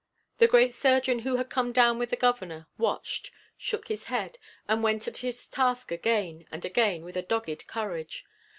The great surgeon who had come down with the Governor, watched, shook his head and went at his task again and again with a dogged courage.